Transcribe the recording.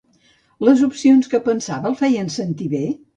Les opcions que pensava el feien sentir bé?